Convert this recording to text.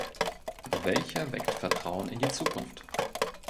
Welcher weckt Vertrauen in die Zukunft?